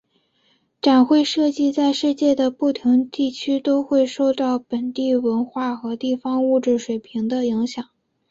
展会设计在世界的不同地区都会受到本地文化和地方物质水平的影响。